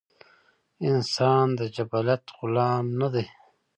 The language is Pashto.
انسان د جبلت غلام نۀ دے